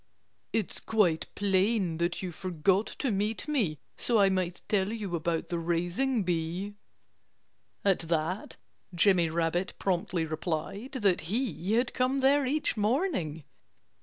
"It's quite plain that you forgot to meet me, so I might tell you about the raising bee." At that Jimmy Rabbit promptly replied that he had come there each morning.